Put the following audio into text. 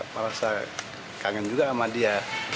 merasa kangen juga sama dia